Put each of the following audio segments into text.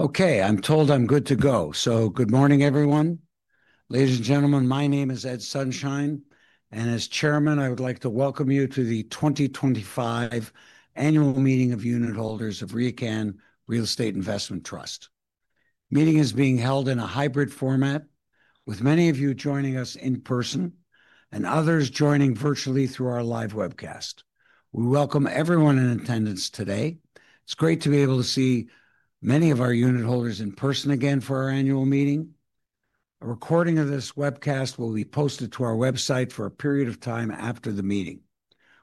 Okay, I'm told I'm good to go. Good morning, everyone. Ladies and gentlemen, my name is Ed Sonshine, and as Chairman, I would like to welcome you to the 2025 Annual Meeting of Unit Holders of RioCan Real Estate Investment Trust. The meeting is being held in a hybrid format, with many of you joining us in person and others joining virtually through our live webcast. We welcome everyone in attendance today. It's great to be able to see many of our unit holders in person again for our annual meeting. A recording of this webcast will be posted to our website for a period of time after the meeting.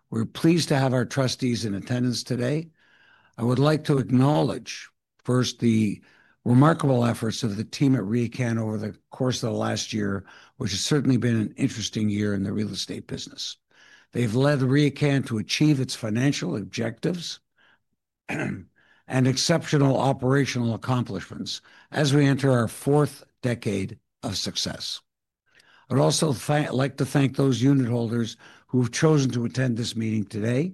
We're pleased to have our trustees in attendance today. I would like to acknowledge, first, the remarkable efforts of the team at RioCan over the course of the last year, which has certainly been an interesting year in the real estate business. They've led RioCan to achieve its financial objectives and exceptional operational accomplishments as we enter our fourth decade of success. I'd also like to thank those unit holders who have chosen to attend this meeting today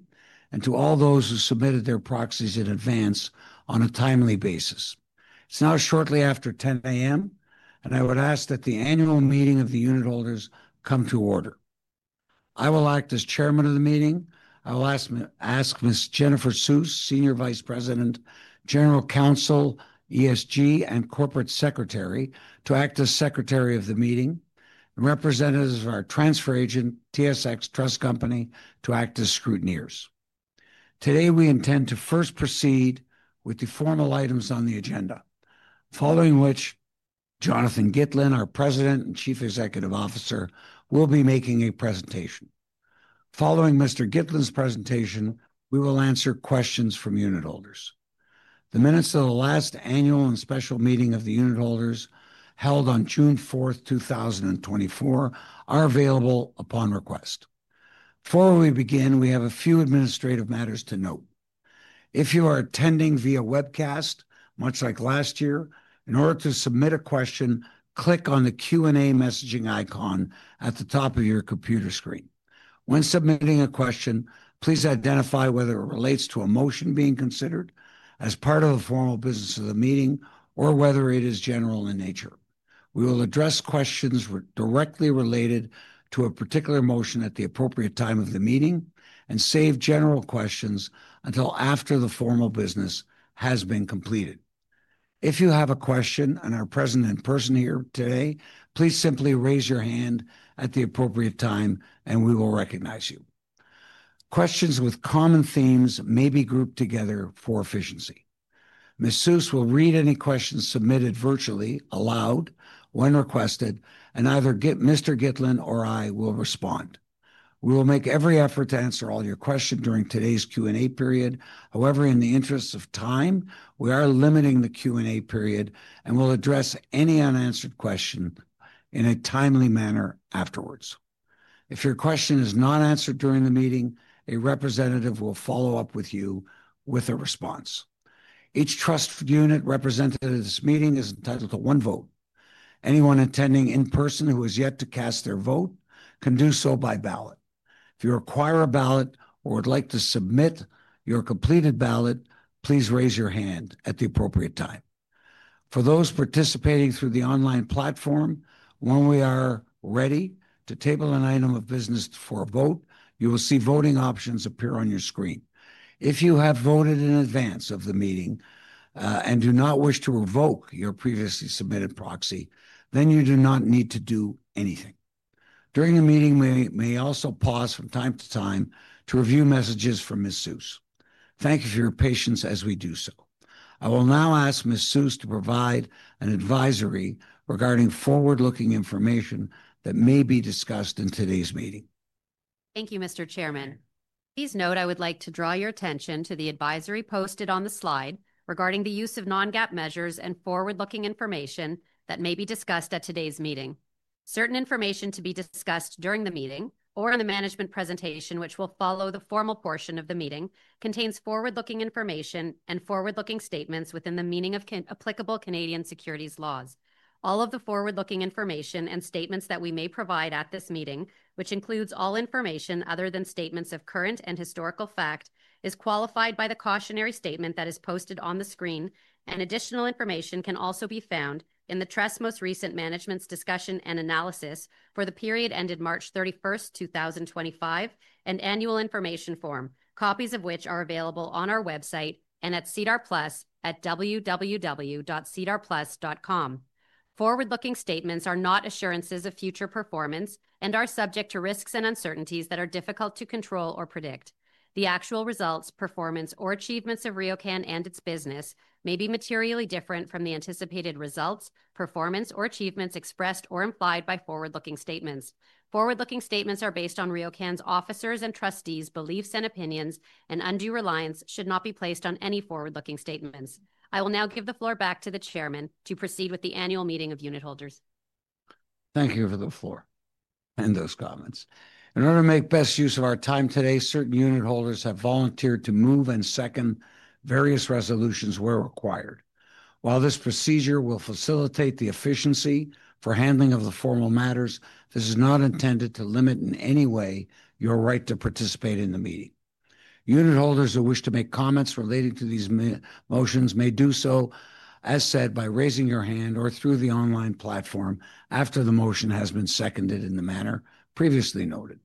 and to all those who submitted their proxies in advance on a timely basis. It's now shortly after 10:00 A.M., and I would ask that the annual meeting of the unit holders come to order. I will act as Chairman of the meeting. I will ask Ms. Jennifer Suess, Senior Vice President, General Counsel, ESG, and Corporate Secretary to act as Secretary of the meeting, and representatives of our transfer agent, TSX Trust Company, to act as scrutineers. Today, we intend to first proceed with the formal items on the agenda, following which Jonathan Gitlin, our President and Chief Executive Officer, will be making a presentation. Following Mr. Gitlin's presentation, we will answer questions from unit holders. The minutes of the last annual and special meeting of the unit holders held on June 4, 2024, are available upon request. Before we begin, we have a few administrative matters to note. If you are attending via webcast, much like last year, in order to submit a question, click on the Q&A messaging icon at the top of your computer screen. When submitting a question, please identify whether it relates to a motion being considered as part of the formal business of the meeting or whether it is general in nature. We will address questions directly related to a particular motion at the appropriate time of the meeting and save general questions until after the formal business has been completed. If you have a question and are present in person here today, please simply raise your hand at the appropriate time, and we will recognize you. Questions with common themes may be grouped together for efficiency. Ms. Suess will read any questions submitted virtually aloud when requested, and either Mr. Gitlin or I will respond. We will make every effort to answer all your questions during today's Q&A period. However, in the interest of time, we are limiting the Q&A period and will address any unanswered question in a timely manner afterwards. If your question is not answered during the meeting, a representative will follow up with you with a response. Each trust unit representative at this meeting is entitled to one vote. Anyone attending in person who has yet to cast their vote can do so by ballot. If you require a ballot or would like to submit your completed ballot, please raise your hand at the appropriate time. For those participating through the online platform, when we are ready to table an item of business for a vote, you will see voting options appear on your screen. If you have voted in advance of the meeting and do not wish to revoke your previously submitted proxy, then you do not need to do anything. During the meeting, we may also pause from time to time to review messages from Ms. Suess. Thank you for your patience as we do so. I will now ask Ms. Suess to provide an advisory regarding forward-looking information that may be discussed in today's meeting. Thank you, Mr. Chairman. Please note I would like to draw your attention to the advisory posted on the slide regarding the use of non-GAAP measures and forward-looking information that may be discussed at today's meeting. Certain information to be discussed during the meeting or in the management presentation, which will follow the formal portion of the meeting, contains forward-looking information and forward-looking statements within the meaning of applicable Canadian securities laws. All of the forward-looking information and statements that we may provide at this meeting, which includes all information other than statements of current and historical fact, is qualified by the cautionary statement that is posted on the screen, and additional information can also be found in the Trust's most recent management discussion and analysis for the period ended March 31, 2025, and annual information form, copies of which are available on our website and at SEDAR+ at www.sedarplus.com. Forward-looking statements are not assurances of future performance and are subject to risks and uncertainties that are difficult to control or predict. The actual results, performance, or achievements of RioCan and its business may be materially different from the anticipated results, performance, or achievements expressed or implied by forward-looking statements. Forward-looking statements are based on RioCan's officers and trustees' beliefs and opinions, and undue reliance should not be placed on any forward-looking statements. I will now give the floor back to the Chairman to proceed with the annual meeting of unit holders. Thank you for the floor and those comments. In order to make best use of our time today, certain unit holders have volunteered to move and second various resolutions where required. While this procedure will facilitate the efficiency for handling of the formal matters, this is not intended to limit in any way your right to participate in the meeting. Unit holders who wish to make comments relating to these motions may do so, as said, by raising your hand or through the online platform after the motion has been seconded in the manner previously noted.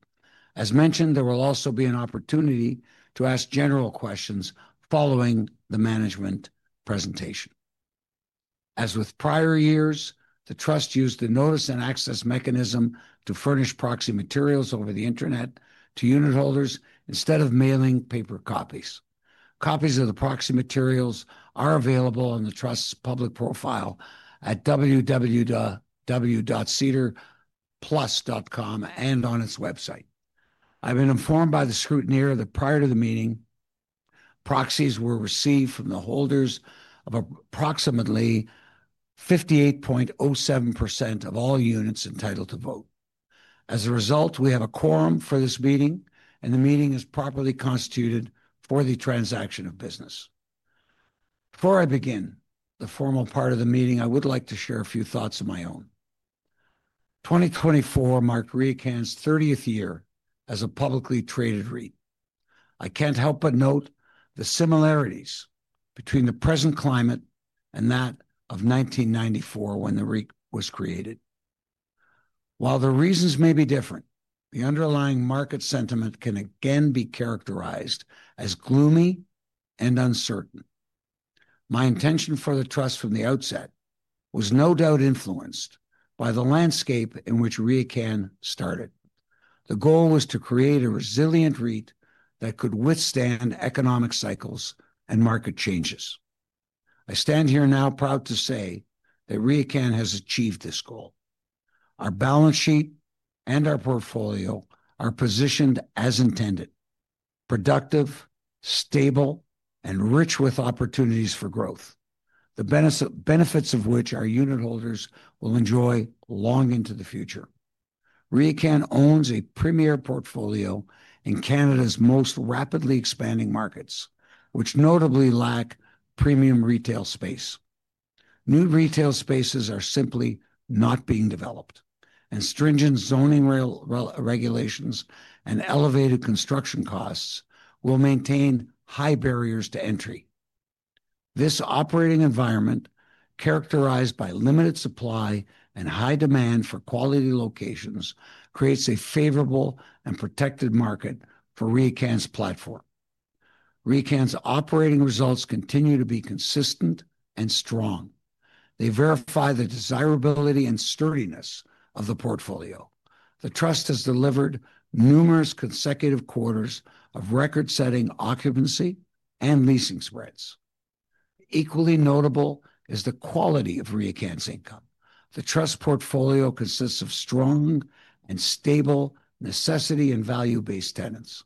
As mentioned, there will also be an opportunity to ask general questions following the management presentation. As with prior years, the Trust used the notice and access mechanism to furnish proxy materials over the internet to unit holders instead of mailing paper copies. Copies of the proxy materials are available on the Trust's public profile at www.sedarplus.com and on its website. I've been informed by the scrutineer that prior to the meeting, proxies were received from the holders of approximately 58.07% of all units entitled to vote. As a result, we have a quorum for this meeting, and the meeting is properly constituted for the transaction of business. Before I begin the formal part of the meeting, I would like to share a few thoughts of my own. 2024 marked RioCan's 30th year as a publicly traded REIT. I can't help but note the similarities between the present climate and that of 1994 when the REIT was created. While the reasons may be different, the underlying market sentiment can again be characterized as gloomy and uncertain. My intention for the Trust from the outset was no doubt influenced by the landscape in which RioCan started. The goal was to create a resilient REIT that could withstand economic cycles and market changes. I stand here now proud to say that RioCan has achieved this goal. Our balance sheet and our portfolio are positioned as intended: productive, stable, and rich with opportunities for growth, the benefits of which our unit holders will enjoy long into the future. RioCan owns a premier portfolio in Canada's most rapidly expanding markets, which notably lack premium retail space. New retail spaces are simply not being developed, and stringent zoning regulations and elevated construction costs will maintain high barriers to entry. This operating environment, characterized by limited supply and high demand for quality locations, creates a favorable and protected market for RioCan's platform. RioCan's operating results continue to be consistent and strong. They verify the desirability and sturdiness of the portfolio. The Trust has delivered numerous consecutive quarters of record-setting occupancy and leasing spreads. Equally notable is the quality of RioCan's income. The Trust's portfolio consists of strong and stable necessity and value-based tenants.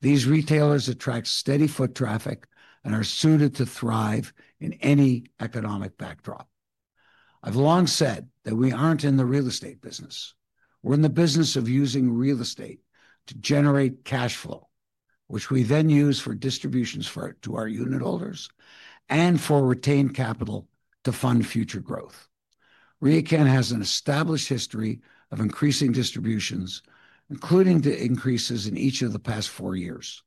These retailers attract steady foot traffic and are suited to thrive in any economic backdrop. I've long said that we aren't in the real estate business. We're in the business of using real estate to generate cash flow, which we then use for distributions to our unit holders and for retained capital to fund future growth. RioCan has an established history of increasing distributions, including increases in each of the past four years.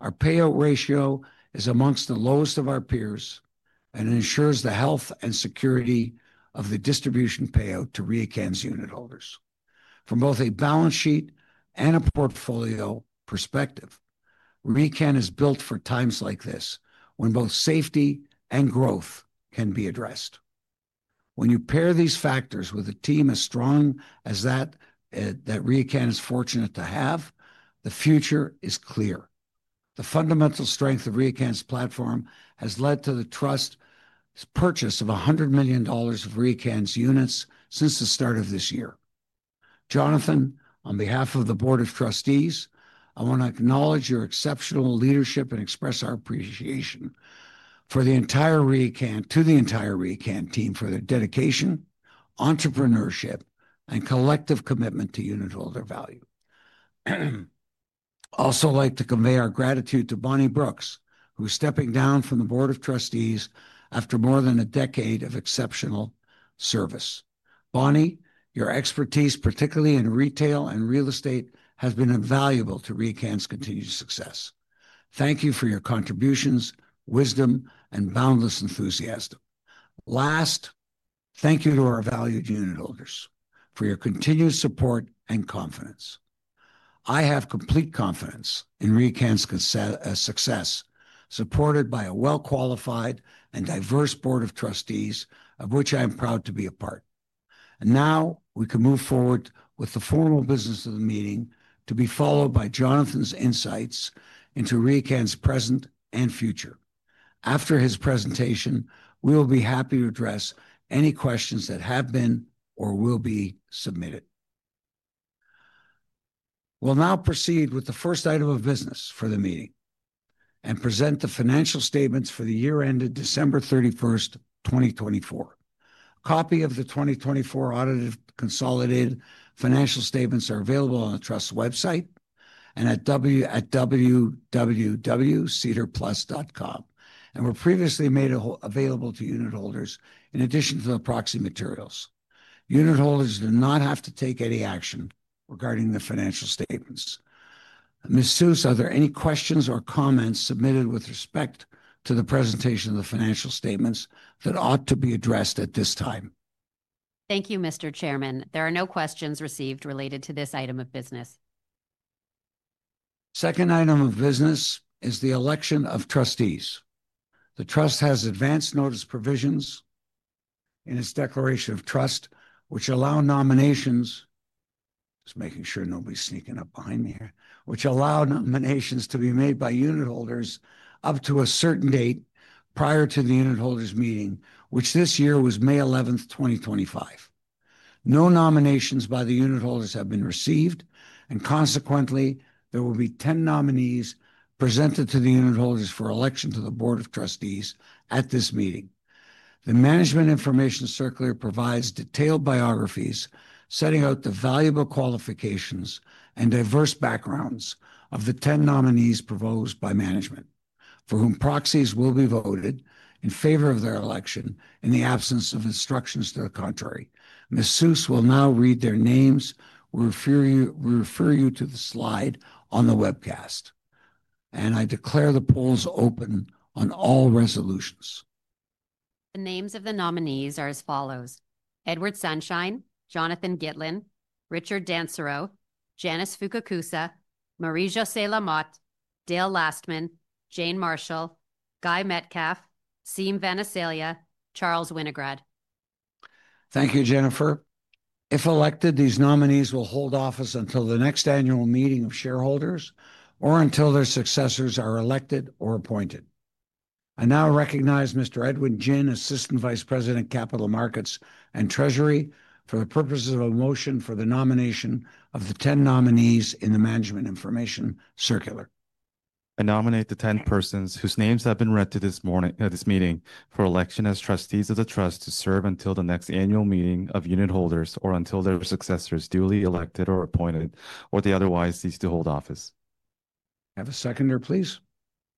Our payout ratio is amongst the lowest of our peers and ensures the health and security of the distribution payout to RioCan's unit holders. From both a balance sheet and a portfolio perspective, RioCan is built for times like this when both safety and growth can be addressed. When you pair these factors with a team as strong as that RioCan is fortunate to have, the future is clear. The fundamental strength of RioCan's platform has led to the Trust's purchase of $100 million of RioCan's units since the start of this year. Jonathan, on behalf of the Board of Trustees, I want to acknowledge your exceptional leadership and express our appreciation to the entire RioCan team for their dedication, entrepreneurship, and collective commitment to unit holder value. I'd also like to convey our gratitude to Bonnie Brooks, who's stepping down from the Board of Trustees after more than a decade of exceptional service. Bonnie, your expertise, particularly in retail and real estate, has been invaluable to RioCan's continued success. Thank you for your contributions, wisdom, and boundless enthusiasm. Last, thank you to our valued unit holders for your continued support and confidence. I have complete confidence in RioCan's success, supported by a well-qualified and diverse Board of Trustees, of which I am proud to be a part. Now we can move forward with the formal business of the meeting to be followed by Jonathan's insights into RioCan's present and future. After his presentation, we will be happy to address any questions that have been or will be submitted. We'll now proceed with the first item of business for the meeting and present the financial statements for the year ended December 31, 2024. A copy of the 2024 audited consolidated financial statements is available on the Trust's website and at www.sedarplus.com, and were previously made available to unit holders in addition to the proxy materials. Unit holders do not have to take any action regarding the financial statements. Ms. Suess, are there any questions or comments submitted with respect to the presentation of the financial statements that ought to be addressed at this time? Thank you, Mr. Chairman. There are no questions received related to this item of business. Second item of business is the election of trustees. The Trust has advanced notice provisions in its declaration of trust, which allow nominations—just making sure nobody's sneaking up behind me here—which allow nominations to be made by unit holders up to a certain date prior to the unit holders' meeting, which this year was May 11, 2025. No nominations by the unit holders have been received, and consequently, there will be 10 nominees presented to the unit holders for election to the Board of Trustees at this meeting. The management information circular provides detailed biographies setting out the valuable qualifications and diverse backgrounds of the 10 nominees proposed by management, for whom proxies will be voted in favor of their election in the absence of instructions to the contrary. Ms. Suess will now read their names. We refer you to the slide on the webcast, and I declare the polls open on all resolutions. The names of the nominees are as follows: Edward Sonshine, Jonathan Gitlin, Richard Dansereau, Janice Fukakusa, Marie-Josée Lamothe, Dale Lastman, Jane Marshall, Guy Metcalfe, Siim Vanaselja, Charles Winograd. Thank you, Jennifer. If elected, these nominees will hold office until the next annual meeting of shareholders or until their successors are elected or appointed. I now recognize Mr. Edwin Jin, Assistant Vice President, Capital Markets and Treasury, for the purposes of a motion for the nomination of the 10 nominees in the management information circular. I nominate the 10 persons whose names have been read to this morning at this meeting for election as trustees of the Trust to serve until the next annual meeting of unit holders or until their successors are duly elected or appointed or they otherwise cease to hold office. Have a seconder, please.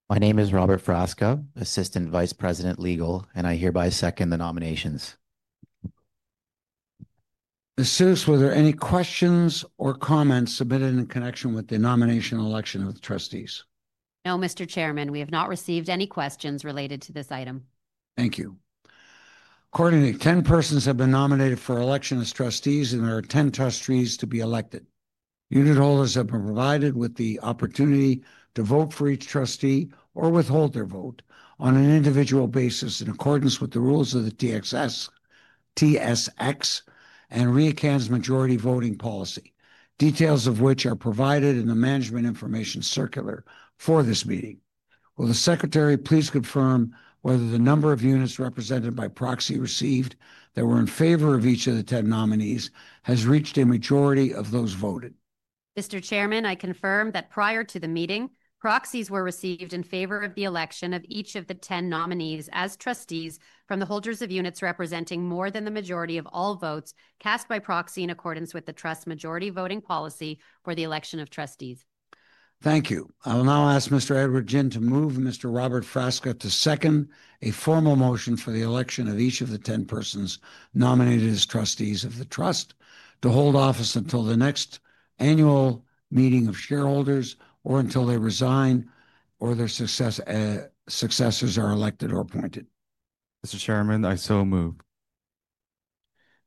My name is Robert Frasca, Assistant Vice President, Legal, and I hereby second the nominations. Ms. Suess, were there any questions or comments submitted in connection with the nomination election of the trustees? No, Mr. Chairman. We have not received any questions related to this item. Thank you. Accordingly, 10 persons have been nominated for election as trustees, and there are 10 trustees to be elected. Unit holders have been provided with the opportunity to vote for each trustee or withhold their vote on an individual basis in accordance with the rules of the TSX and RioCan's majority voting policy, details of which are provided in the management information circular for this meeting. Will the Secretary please confirm whether the number of units represented by proxy received that were in favor of each of the 10 nominees has reached a majority of those voted? Mr. Chairman, I confirm that prior to the meeting, proxies were received in favor of the election of each of the 10 nominees as trustees from the holders of units representing more than the majority of all votes cast by proxy in accordance with the Trust's majority voting policy for the election of trustees. Thank you. I'll now ask Mr. Edwin Jin to move Mr. Robert Frasca to second a formal motion for the election of each of the 10 persons nominated as trustees of the Trust to hold office until the next annual meeting of shareholders or until they resign or their successors are elected or appointed. Mr. Chairman, I so move.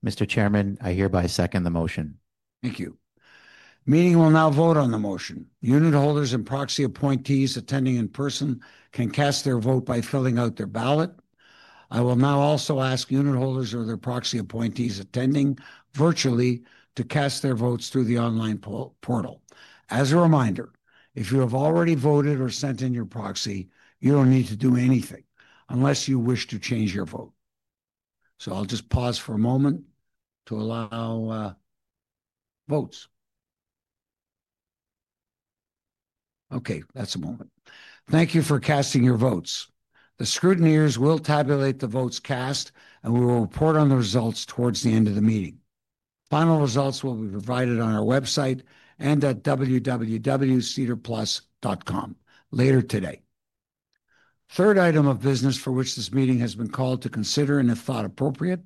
Mr. Chairman, I hereby second the motion. Thank you. The meeting will now vote on the motion. Unit holders and proxy appointees attending in person can cast their vote by filling out their ballot. I will now also ask unit holders or their proxy appointees attending virtually to cast their votes through the online portal. As a reminder, if you have already voted or sent in your proxy, you don't need to do anything unless you wish to change your vote. I'll just pause for a moment to allow votes. Okay, that's a moment. Thank you for casting your votes. The scrutineers will tabulate the votes cast, and we will report on the results towards the end of the meeting. Final results will be provided on our website and at www.sedarplus.com later today. The third item of business for which this meeting has been called to consider and if thought appropriate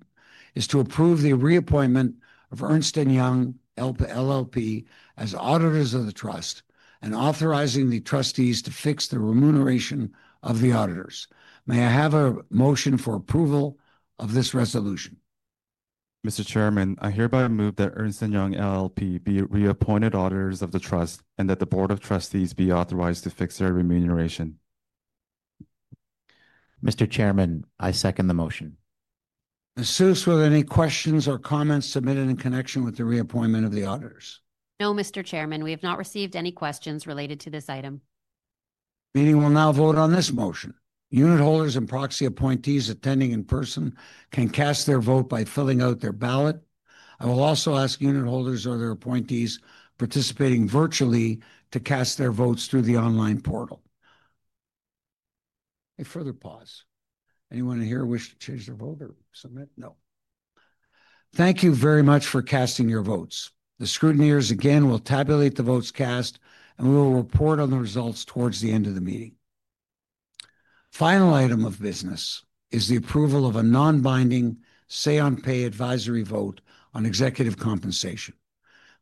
is to approve the reappointment of Ernst & Young LLP as auditors of the Trust and authorizing the trustees to fix the remuneration of the auditors. May I have a motion for approval of this resolution? Mr. Chairman, I hereby move that Ernst & Young LLP be reappointed auditors of the Trust and that the Board of Trustees be authorized to fix their remuneration. Mr. Chairman, I second the motion. Ms. Suess, were there any questions or comments submitted in connection with the reappointment of the auditors? No, Mr. Chairman. We have not received any questions related to this item. The meeting will now vote on this motion. Unit holders and proxy appointees attending in person can cast their vote by filling out their ballot. I will also ask unit holders or their appointees participating virtually to cast their votes through the online portal. Any further pause? Anyone in here wish to change their vote or submit? No. Thank you very much for casting your votes. The scrutineers again will tabulate the votes cast, and we will report on the results towards the end of the meeting. The final item of business is the approval of a non-binding say-on-pay advisory vote on executive compensation.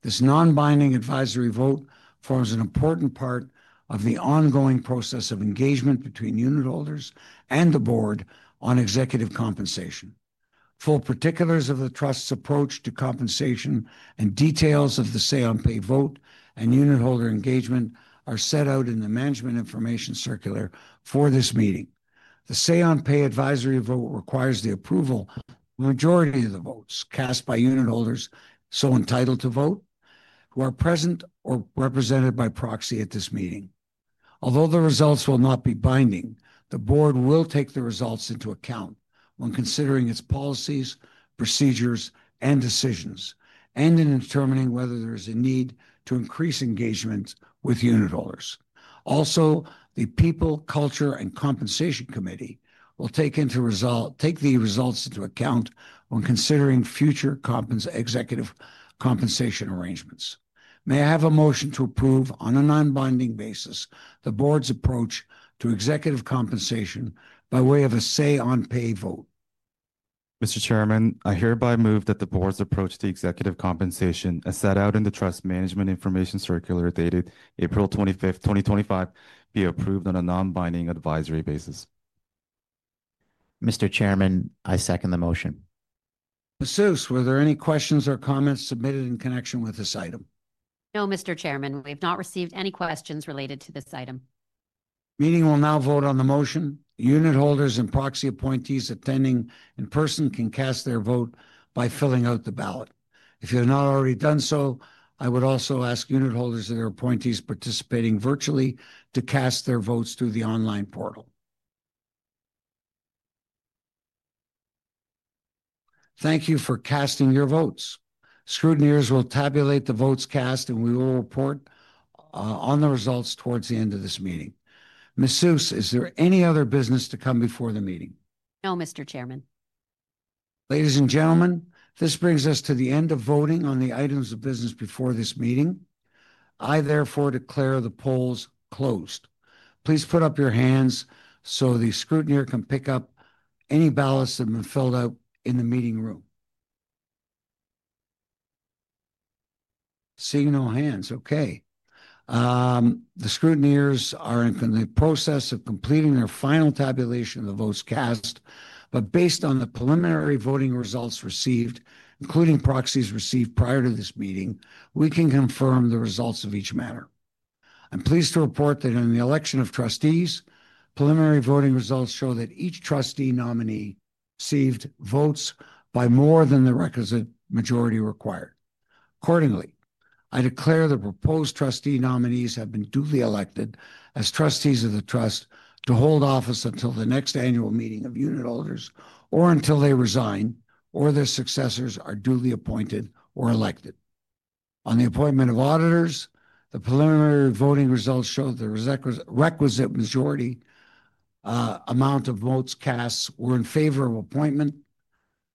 This non-binding advisory vote forms an important part of the ongoing process of engagement between unit holders and the board on executive compensation. Full particulars of the Trust's approach to compensation and details of the say-on-pay vote and unit holder engagement are set out in the management information circular for this meeting. The say-on-pay advisory vote requires the approval of the majority of the votes cast by unit holders so entitled to vote who are present or represented by proxy at this meeting. Although the results will not be binding, the board will take the results into account when considering its policies, procedures, and decisions, and in determining whether there is a need to increase engagement with unit holders. Also, the People, Culture, and Compensation Committee will take the results into account when considering future executive compensation arrangements. May I have a motion to approve on a non-binding basis the board's approach to executive compensation by way of a say-on-pay vote? Mr. Chairman, I hereby move that the board's approach to executive compensation as set out in the Trust's management information circular dated April 25, 2025, be approved on a non-binding advisory basis. Mr. Chairman, I second the motion. Ms. Suess, were there any questions or comments submitted in connection with this item? No, Mr. Chairman. We have not received any questions related to this item. The meeting will now vote on the motion. Unit holders and proxy appointees attending in person can cast their vote by filling out the ballot. If you have not already done so, I would also ask unit holders or their appointees participating virtually to cast their votes through the online portal. Thank you for casting your votes. Scrutineers will tabulate the votes cast, and we will report on the results towards the end of this meeting. Ms. Suess, is there any other business to come before the meeting? No, Mr. Chairman. Ladies and gentlemen, this brings us to the end of voting on the items of business before this meeting. I therefore declare the polls closed. Please put up your hands so the scrutineer can pick up any ballots that have been filled out in the meeting room. Seeing no hands. Okay. The scrutineers are in the process of completing their final tabulation of the votes cast, but based on the preliminary voting results received, including proxies received prior to this meeting, we can confirm the results of each matter. I'm pleased to report that in the election of trustees, preliminary voting results show that each trustee nominee received votes by more than the requisite majority required. Accordingly, I declare the proposed trustee nominees have been duly elected as trustees of the Trust to hold office until the next annual meeting of unit holders or until they resign or their successors are duly appointed or elected. On the appointment of auditors, the preliminary voting results show that the requisite majority amount of votes cast were in favor of appointment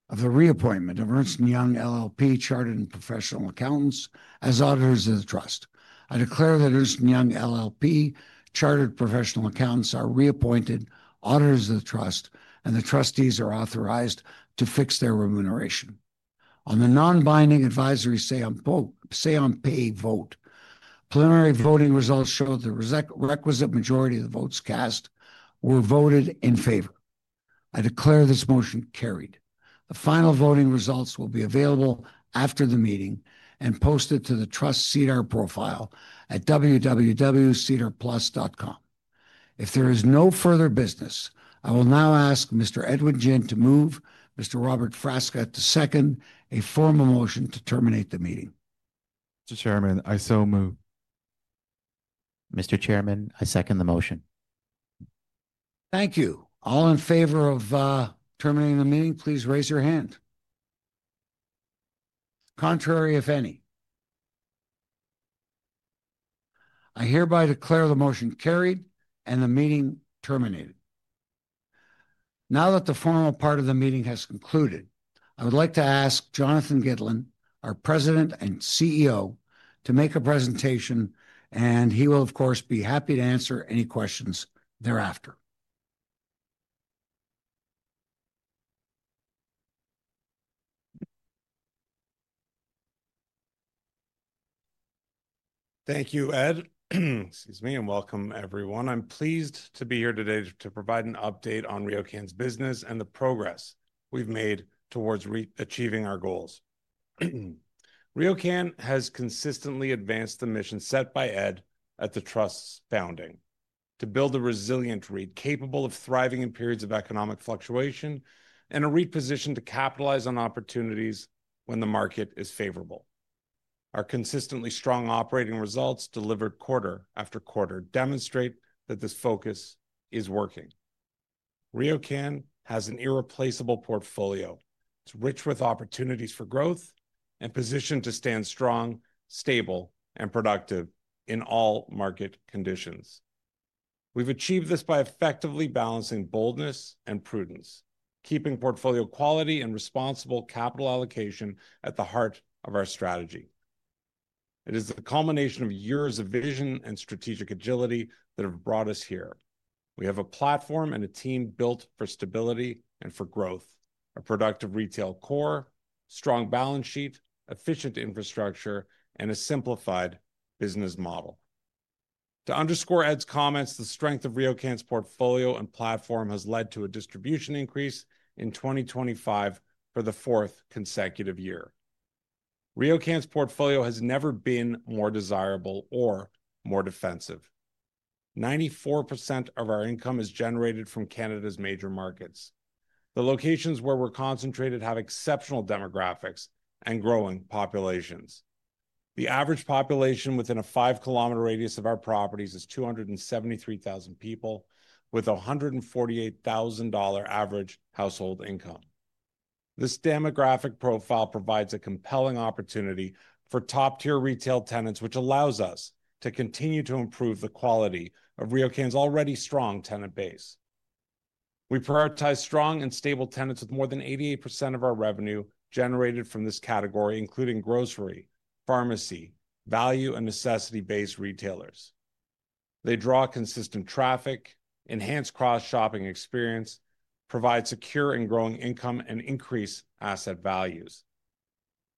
of the reappointment of Ernst & Young LLP, Chartered and Professional Accountants as auditors of the Trust. I declare that Ernst & Young LLP, Chartered and Professional Accountants are reappointed auditors of the Trust, and the trustees are authorized to fix their remuneration. On the non-binding advisory say-on-pay vote, preliminary voting results show that the requisite majority of the votes cast were voted in favor. I declare this motion carried. The final voting results will be available after the meeting and posted to the Trust's SEDAR profile at www.sedarplus.com. If there is no further business, I will now ask Mr. Edwin Jin to move, Mr. Robert Frasca to second a formal motion to terminate the meeting. Mr. Chairman, I so move. Mr. Chairman, I second the motion. Thank you. All in favor of terminating the meeting, please raise your hand. Contrary, if any. I hereby declare the motion carried and the meeting terminated. Now that the formal part of the meeting has concluded, I would like to ask Jonathan Gitlin, our President and CEO, to make a presentation, and he will, of course, be happy to answer any questions thereafter. Thank you, Ed. Excuse me, and welcome, everyone. I'm pleased to be here today to provide an update on RioCan's business and the progress we've made towards achieving our goals. RioCan has consistently advanced the mission set by Ed at the Trust's founding to build a resilient REIT capable of thriving in periods of economic fluctuation and a REIT positioned to capitalize on opportunities when the market is favorable. Our consistently strong operating results delivered quarter after quarter demonstrate that this focus is working. RioCan has an irreplaceable portfolio. It's rich with opportunities for growth and positioned to stand strong, stable, and productive in all market conditions. We've achieved this by effectively balancing boldness and prudence, keeping portfolio quality and responsible capital allocation at the heart of our strategy. It is the culmination of years of vision and strategic agility that have brought us here. We have a platform and a team built for stability and for growth, a productive retail core, strong balance sheet, efficient infrastructure, and a simplified business model. To underscore Ed's comments, the strength of RioCan's portfolio and platform has led to a distribution increase in 2025 for the fourth consecutive year. RioCan's portfolio has never been more desirable or more defensive. 94% of our income is generated from Canada's major markets. The locations where we're concentrated have exceptional demographics and growing populations. The average population within a five km radius of our properties is 273,000 people with a $148,000 average household income. This demographic profile provides a compelling opportunity for top-tier retail tenants, which allows us to continue to improve the quality of RioCan's already strong tenant base. We prioritize strong and stable tenants with more than 88% of our revenue generated from this category, including grocery, pharmacy, value, and necessity-based retailers. They draw consistent traffic, enhance cross-shopping experience, provide secure and growing income, and increase asset values.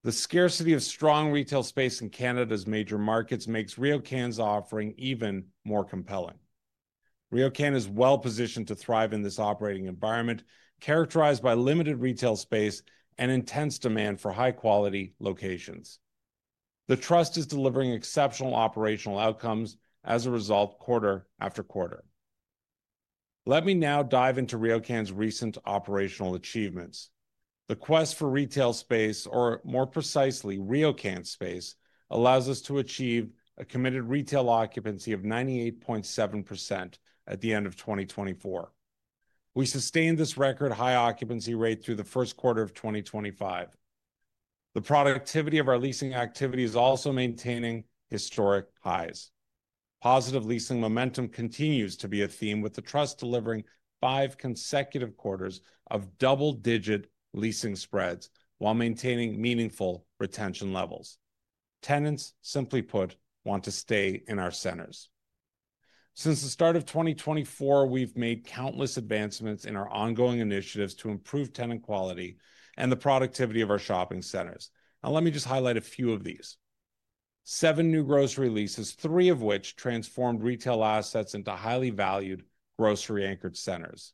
The scarcity of strong retail space in Canada's major markets makes RioCan's offering even more compelling. RioCan is well-positioned to thrive in this operating environment, characterized by limited retail space and intense demand for high-quality locations. The Trust is delivering exceptional operational outcomes as a result quarter after quarter. Let me now dive into RioCan's recent operational achievements. The quest for retail space, or more precisely RioCan space, allows us to achieve a committed retail occupancy of 98.7% at the end of 2024. We sustained this record high occupancy rate through the first quarter of 2025. The productivity of our leasing activity is also maintaining historic highs. Positive leasing momentum continues to be a theme, with the Trust delivering five consecutive quarters of double-digit leasing spreads while maintaining meaningful retention levels. Tenants, simply put, want to stay in our centers. Since the start of 2024, we've made countless advancements in our ongoing initiatives to improve tenant quality and the productivity of our shopping centers. Now, let me just highlight a few of these: seven new grocery leases, three of which transformed retail assets into highly valued grocery-anchored centers;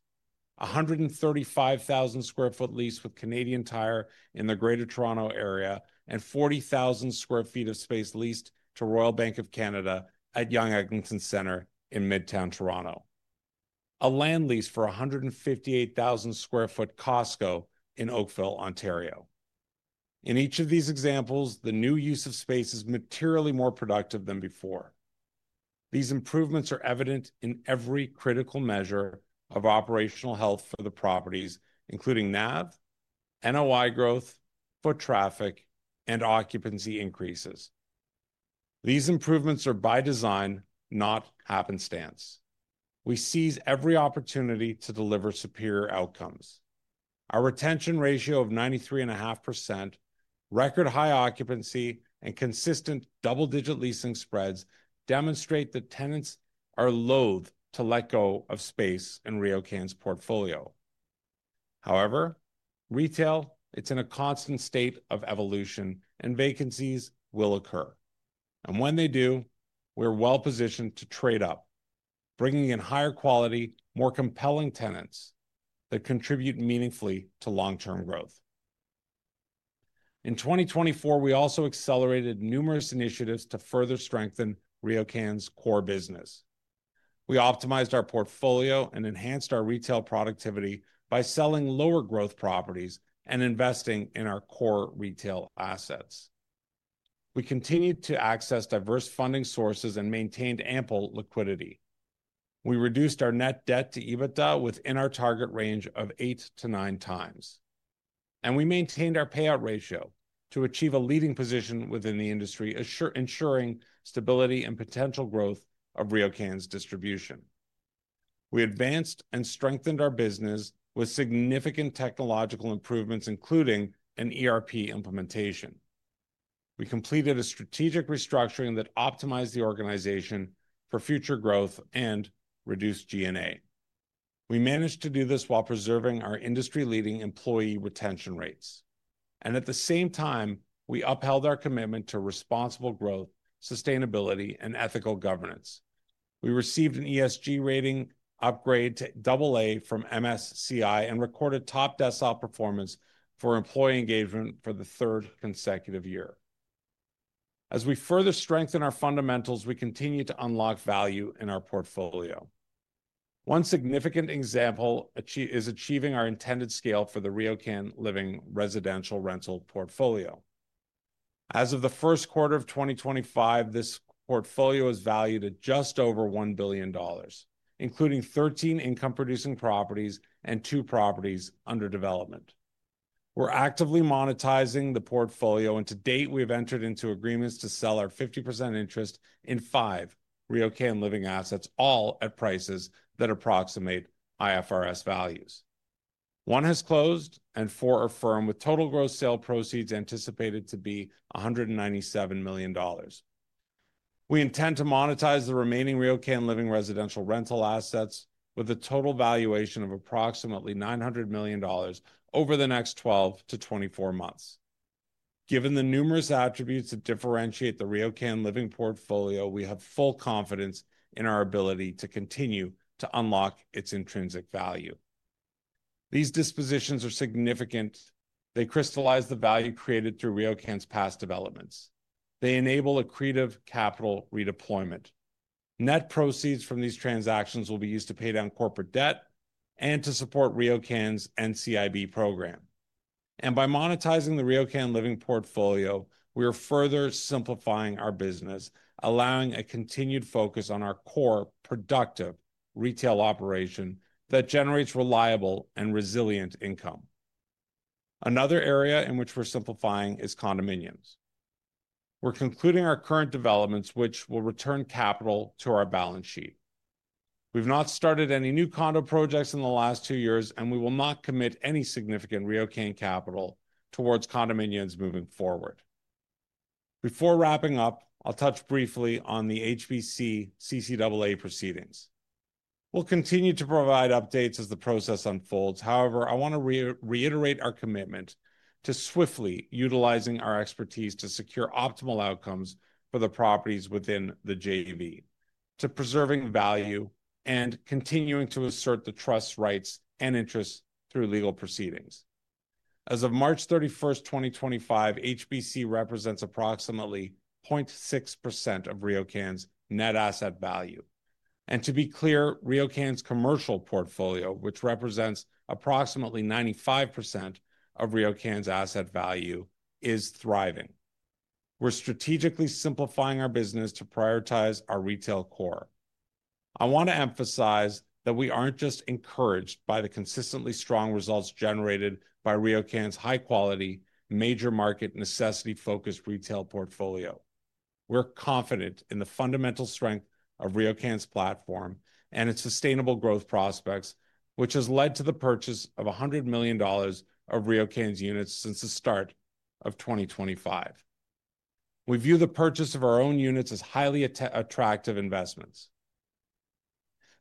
135,000 sq ft lease with Canadian Tire in the Greater Toronto Area; and 40,000 sq ft of space leased to Royal Bank of Canada at Yonge Eglinton Centre in Midtown Toronto; a land lease for 158,000 sq ft Costco in Oakville, Ontario. In each of these examples, the new use of space is materially more productive than before. These improvements are evident in every critical measure of operational health for the properties, including NAV, NOI growth, foot traffic, and occupancy increases. These improvements are by design, not happenstance. We seize every opportunity to deliver superior outcomes. Our retention ratio of 93.5%, record high occupancy, and consistent double-digit leasing spreads demonstrate that tenants are loathe to let go of space in RioCan's portfolio. However, retail, it's in a constant state of evolution, and vacancies will occur. When they do, we're well-positioned to trade up, bringing in higher quality, more compelling tenants that contribute meaningfully to long-term growth. In 2024, we also accelerated numerous initiatives to further strengthen RioCan's core business. We optimized our portfolio and enhanced our retail productivity by selling lower-growth properties and investing in our core retail assets. We continued to access diverse funding sources and maintained ample liquidity. We reduced our net debt to EBITDA within our target range of 8-9 times. We maintained our payout ratio to achieve a leading position within the industry, ensuring stability and potential growth of RioCan's distribution. We advanced and strengthened our business with significant technological improvements, including an ERP implementation. We completed a strategic restructuring that optimized the organization for future growth and reduced G&A. We managed to do this while preserving our industry-leading employee retention rates. At the same time, we upheld our commitment to responsible growth, sustainability, and ethical governance. We received an ESG rating upgrade to AA from MSCI and recorded top desktop performance for employee engagement for the third consecutive year. As we further strengthen our fundamentals, we continue to unlock value in our portfolio. One significant example is achieving our intended scale for the RioCan Living Residential Rental portfolio. As of the first quarter of 2025, this portfolio is valued at just over $1 billion, including 13 income-producing properties and two properties under development. We're actively monetizing the portfolio, and to date, we have entered into agreements to sell our 50% interest in five RioCan Living assets, all at prices that approximate IFRS values. One has closed, and four are firm, with total gross sale proceeds anticipated to be $197 million. We intend to monetize the remaining RioCan Living Residential Rental assets with a total valuation of approximately $900 million over the next 12-24 months. Given the numerous attributes that differentiate the RioCan Living portfolio, we have full confidence in our ability to continue to unlock its intrinsic value. These dispositions are significant. They crystallize the value created through RioCan's past developments. They enable accretive capital redeployment. Net proceeds from these transactions will be used to pay down corporate debt and to support RioCan's NCIB program. By monetizing the RioCan Living portfolio, we are further simplifying our business, allowing a continued focus on our core productive retail operation that generates reliable and resilient income. Another area in which we're simplifying is condominiums. We're concluding our current developments, which will return capital to our balance sheet. We've not started any new condo projects in the last two years, and we will not commit any significant RioCan capital towards condominiums moving forward. Before wrapping up, I'll touch briefly on the HBC CCAA proceedings. We'll continue to provide updates as the process unfolds. However, I want to reiterate our commitment to swiftly utilizing our expertise to secure optimal outcomes for the properties within the JV, to preserving value and continuing to assert the Trust's rights and interests through legal proceedings. As of March 31, 2025, HBC represents approximately 0.6% of RioCan's net asset value. To be clear, RioCan's commercial portfolio, which represents approximately 95% of RioCan's asset value, is thriving. We're strategically simplifying our business to prioritize our retail core. I want to emphasize that we aren't just encouraged by the consistently strong results generated by RioCan's high-quality, major market necessity-focused retail portfolio. We're confident in the fundamental strength of RioCan's platform and its sustainable growth prospects, which has led to the purchase of $100 million of RioCan's units since the start of 2025. We view the purchase of our own units as highly attractive investments.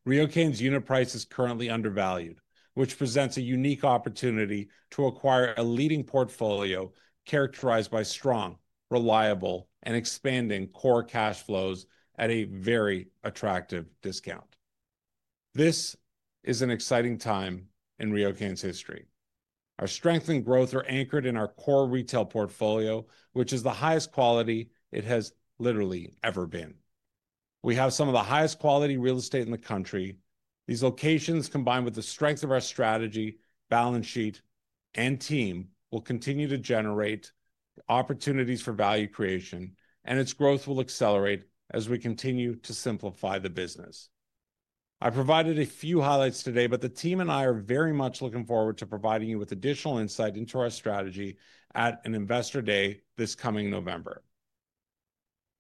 RioCan's unit price is currently undervalued, which presents a unique opportunity to acquire a leading portfolio characterized by strong, reliable, and expanding core cash flows at a very attractive discount. This is an exciting time in RioCan's history. Our strength and growth are anchored in our core retail portfolio, which is the highest quality it has literally ever been. We have some of the highest quality real estate in the country. These locations, combined with the strength of our strategy, balance sheet, and team, will continue to generate opportunities for value creation, and its growth will accelerate as we continue to simplify the business. I provided a few highlights today, but the team and I are very much looking forward to providing you with additional insight into our strategy at an investor day this coming November.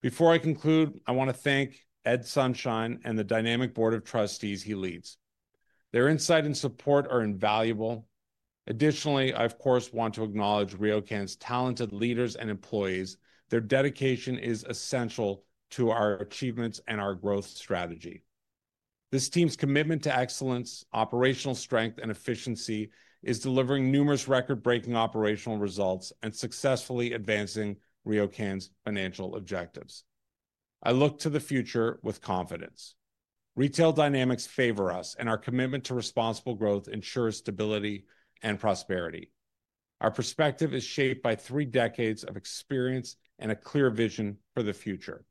Before I conclude, I want to thank Ed Sonshine and the dynamic Board of Trustees he leads. Their insight and support are invaluable. Additionally, I, of course, want to acknowledge RioCan's talented leaders and employees. Their dedication is essential to our achievements and our growth strategy. This team's commitment to excellence, operational strength, and efficiency is delivering numerous record-breaking operational results and successfully advancing RioCan's financial objectives. I look to the future with confidence. Retail dynamics favor us, and our commitment to responsible growth ensures stability and prosperity. Our perspective is shaped by three decades of experience and a clear vision for the future.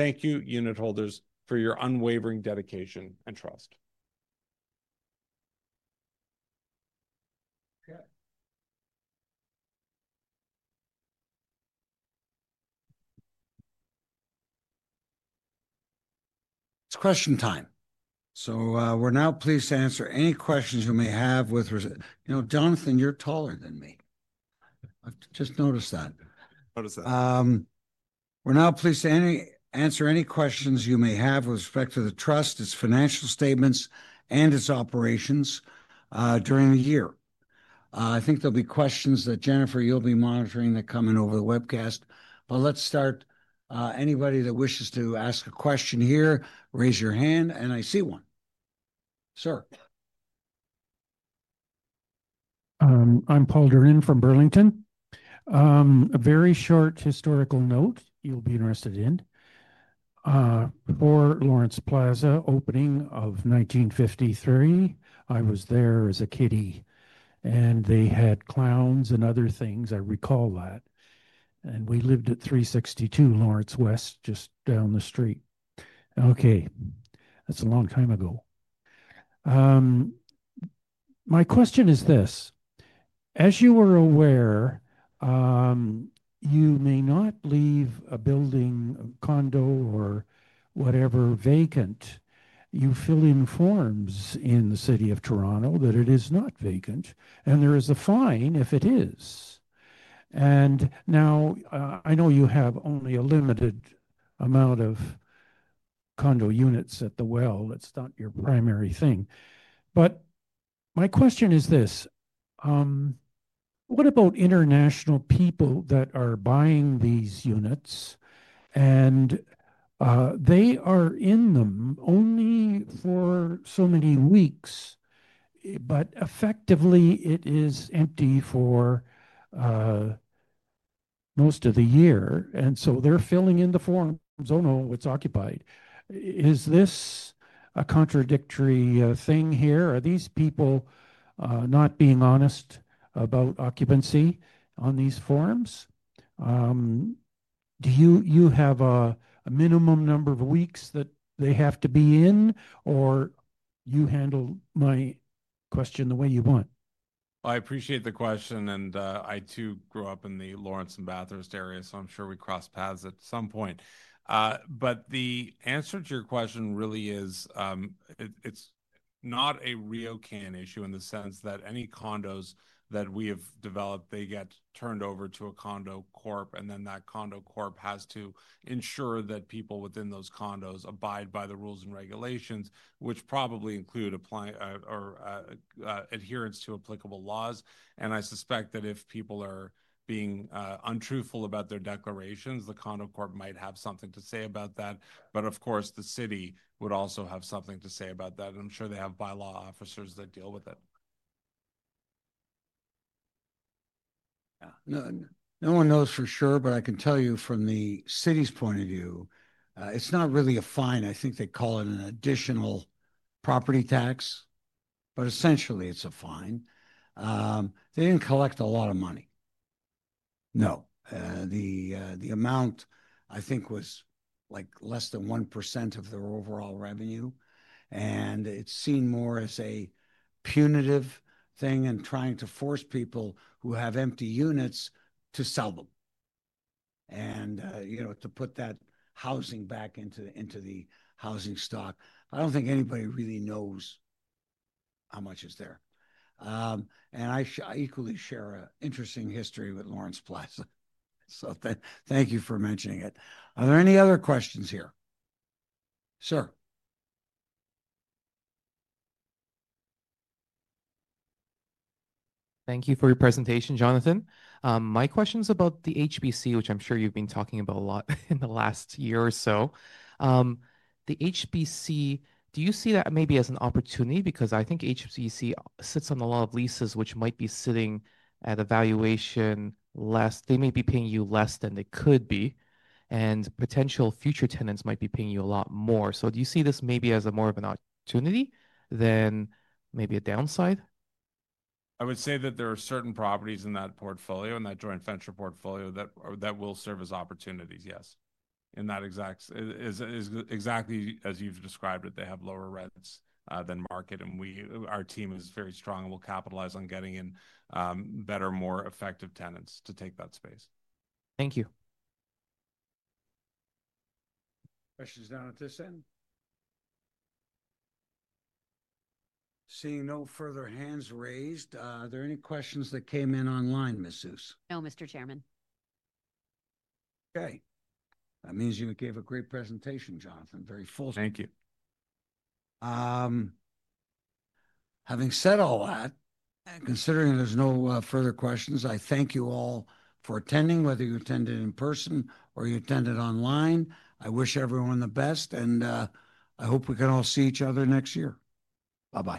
Thank you, unit holders, for your unwavering dedication and trust. Okay. It's question time. We're now pleased to answer any questions you may have with, you know, Jonathan, you're taller than me. I've just noticed that. Noticed that. We're now pleased to answer any questions you may have with respect to the Trust, its financial statements, and its operations during the year. I think there'll be questions that, Jennifer, you'll be monitoring that come in over the webcast. Let's start. Anybody that wishes to ask a question here, raise your hand, and I see one. Sir. I'm Paul Dernan from Burlington. A very short historical note you'll be interested in. For Lawrence Plaza, opening of 1953, I was there as a kitty, and they had clowns and other things. I recall that. And we lived at 362 Lawrence West, just down the street. Okay. That's a long time ago. My question is this: as you are aware, you may not leave a building, a condo, or whatever vacant. You fill in forms in the city of Toronto that it is not vacant, and there is a fine if it is. I know you have only a limited amount of condo units at the well. It's not your primary thing. My question is this: what about international people that are buying these units? They are in them only for so many weeks, but effectively it is empty for most of the year. They are filling in the forms, "Oh, no, it's occupied." Is this a contradictory thing here? Are these people not being honest about occupancy on these forms? Do you have a minimum number of weeks that they have to be in, or you handle my question the way you want? I appreciate the question, and I, too, grew up in the Lawrence and Bathurst area, so I'm sure we crossed paths at some point. The answer to your question really is it's not a RioCan issue in the sense that any condos that we have developed, they get turned over to a condo corp, and then that condo corp has to ensure that people within those condos abide by the rules and regulations, which probably include adherence to applicable laws. I suspect that if people are being untruthful about their declarations, the condo corp might have something to say about that. Of course, the city would also have something to say about that. I'm sure they have bylaw officers that deal with it. Yeah. No one knows for sure, but I can tell you from the city's point of view, it's not really a fine. I think they call it an additional property tax, but essentially it's a fine. They didn't collect a lot of money. No. The amount, I think, was like less than 1% of their overall revenue. It's seen more as a punitive thing and trying to force people who have empty units to sell them and, you know, to put that housing back into the housing stock. I don't think anybody really knows how much is there. I equally share an interesting history with Lawrence Plaza. Thank you for mentioning it. Are there any other questions here? Sir. Thank you for your presentation, Jonathan. My question is about the HBC, which I'm sure you've been talking about a lot in the last year or so. The HBC, do you see that maybe as an opportunity? Because I think HBC sits on a lot of leases, which might be sitting at a valuation less. They may be paying you less than they could be, and potential future tenants might be paying you a lot more. Do you see this maybe as more of an opportunity than maybe a downside? I would say that there are certain properties in that portfolio, in that joint venture portfolio, that will serve as opportunities, yes. In that exact, exactly as you've described it, they have lower rents than market, and our team is very strong and will capitalize on getting in better, more effective tenants to take that space. Thank you. Questions down at this end? Seeing no further hands raised, are there any questions that came in online, Ms. Suess? No, Mr. Chairman. Okay. That means you gave a great presentation, Jonathan. Very full. Thank you. Having said all that, and considering there's no further questions, I thank you all for attending, whether you attended in person or you attended online. I wish everyone the best, and I hope we can all see each other next year. Bye-bye.